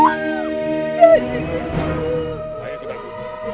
ayolah ikut aku